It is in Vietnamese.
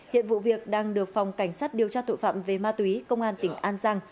hiện vụ việc đang được phòng cảnh sát điều tra tội phạm về ma túy công an tỉnh an giang